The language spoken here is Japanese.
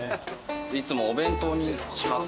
いつもお弁当にします。